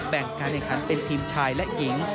แบ่งการแข่งขันเป็นทีมชายและหญิง